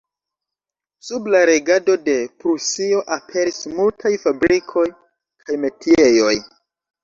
Sub la regado de Prusio aperis multaj fabrikoj kaj metiejoj.